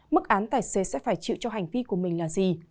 mức án tài xế sẽ phải chịu cho hành vi của mình là gì